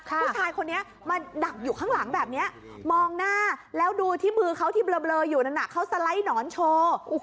ผู้ชายคนนี้มาดักอยู่ข้างหลังแบบนี้มองหน้าแล้วดูที่มือเขาที่เบลออยู่นั้นเขาสไลด์หนอนโชว์